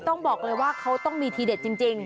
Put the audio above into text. ต้องบอกเลยว่าเขาต้องมีทีเด็ดจริง